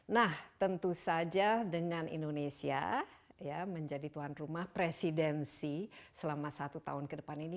nah tentu saja dengan indonesia menjadi tuan rumah presidensi selama satu tahun ke depan ini